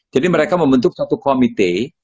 jadi mereka membentuk satu komite